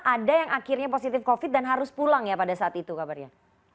ada yang akhirnya positif covid dan harus pulang ya pada saat itu kabarnya